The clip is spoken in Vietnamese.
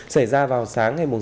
xảy ra vào sáng ngày sáu tháng chín